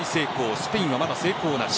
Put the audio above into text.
スペインは成功なし。